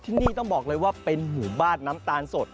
ที่นี่ต้องบอกเลยว่าเป็นหูบ้านแน้นส์สด